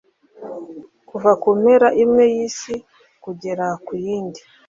kuva ku mpera imwe y'isi kugera ku yindi